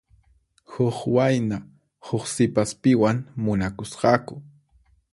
Huk wayna huk sipaspiwan munakusqaku.